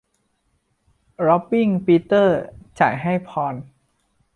ร็อบบิ้ง ปีเตอร์ จ่ายให้พอล